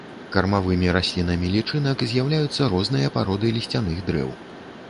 Кармавымі раслінамі лічынак з'яўляюцца розныя пароды лісцяных дрэў.